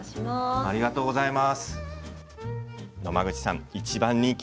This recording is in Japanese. ありがとうございます。